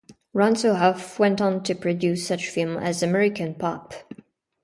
Ransohoff went on to produce such films as "American Pop".